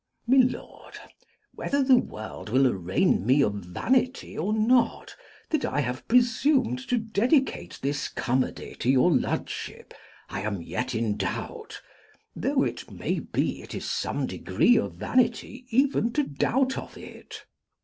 MY LORD,—Whether the world will arraign me of vanity or not, that I have presumed to dedicate this comedy to your lordship, I am yet in doubt; though, it may be, it is some degree of vanity even to doubt of it.